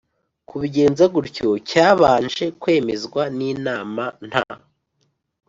kubigenza gutyo cyabanje kwemezwa n inama nta